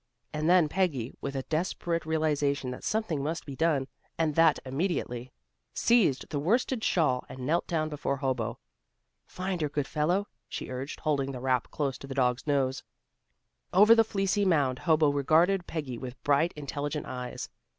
And then Peggy, with a desperate realization that something must be done, and that immediately, seized the worsted shawl, and knelt down before Hobo. "Find her, good fellow," she urged, holding the wrap close to the dog's nose. Over the fleecy mound, Hobo regarded Peggy with bright, intelligent eyes.